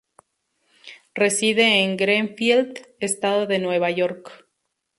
Reside en Greenfield, Estado de Nueva York.